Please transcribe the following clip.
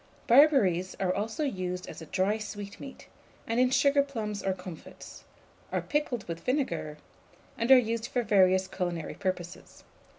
Barberries are also used as a dry sweetmeat, and in sugarplums or comfits; are pickled with vinegar, and are used for various culinary purposes.